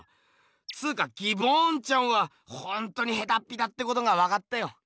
つかギボーンちゃんはほんとにヘタッピだってことがわかったよ。